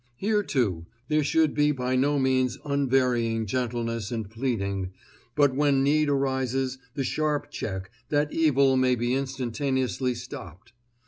Here, too, there should be by no means unvarying gentleness and pleading, but when need arises the sharp check, that evil may be instantaneously stopped.